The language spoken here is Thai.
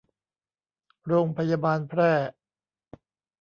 โรงพยาบาลแพร่